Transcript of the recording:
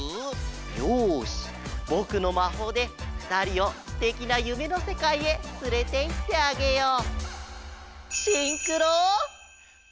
よしぼくのまほうでふたりをすてきなゆめのせかいへつれていってあげよう。